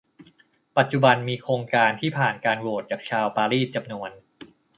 ปัจจุบันมีโครงการที่ผ่านการโหวตจากชาวปารีสจำนวน